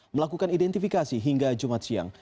melakukan identifikasi hingga jumat siang